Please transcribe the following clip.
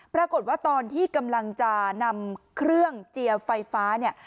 ปรากฏว่าตอนที่กำลังจะนำเครื่องเจียวไฟฟ้าเนี่ย